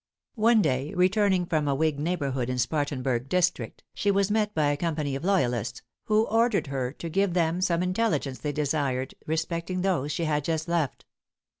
One day, returning from a whig neighborhood in Spartanburg District, she was met by a company of loyalists, who ordered her to give them some intelligence they desired respecting those she had just left.